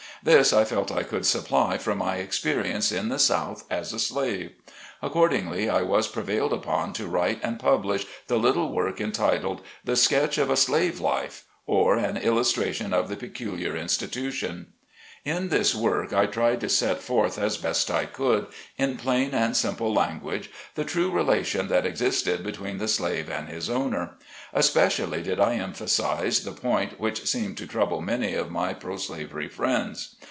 This I felt I could supply from my experience in the South as a slave. Accordingly, I was prevailed upon to write and publish the little work, entitled, IN BOSTON. 33 " The Sketch of a Slave life, or, an illustration of the peculiar institution." In this work I tried to set forth as best I could, in plain and simple language, the true relation that existed between the slave and his owner. Espe cially did I emphasize the point which seemed to trouble many of my pro slavery friends.